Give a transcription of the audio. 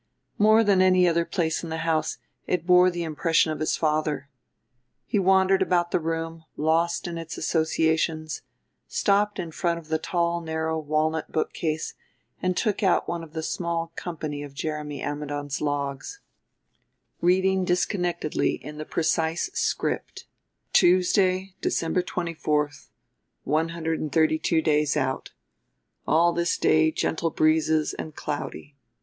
More than any other place in the house it bore the impression of his father. He wandered about the room, lost in its associations, stopped in front of the tall narrow walnut bookcase and took out one of the small company of Jeremy Ammidon's logs, reading disconnectedly in the precise script: "Tuesday, December 24. 132 days out. All this day gentle breezes and cloudy.